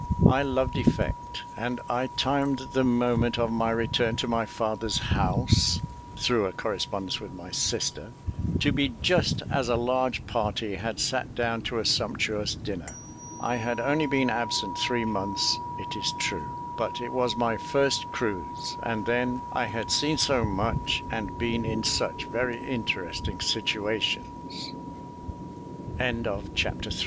I loved effect; and I timed the moment of my return to my father's house (through a correspondence with my sister) to be just as a large party had sat down to a sumptuous dinner. I had only been absent three months, it is true; but it was my first cruise, and then "I had seen so much, and been in such very interesting situations." Chapter IV 'Twill be time